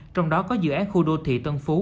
trong đó có dự án khu đô thị tân phú